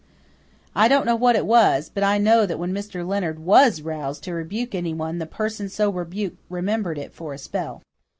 I don't know what it was, but I know that when Mr. Leonard WAS roused to rebuke anyone the person so rebuked remembered it for a spell.